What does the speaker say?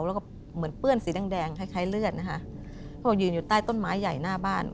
แล้วก็เหมือนเปื้อนสีแดงแดงคล้ายเลือดนะคะเขาบอกยืนอยู่ใต้ต้นไม้ใหญ่หน้าบ้าน